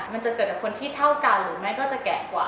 มันจะเกิดกับคนที่เท่ากันหรือไม่ก็จะแก่กว่า